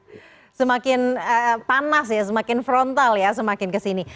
semakin panas ya semakin frontal ya semakin kesini